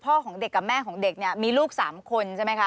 พ่อของเด็กกับแม่ของเด็กมีลูก๓คนใช่ไหมคะ